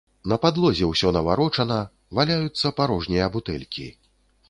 На падлозе ўсё наварочана, валяюцца парожнія бутэлькі.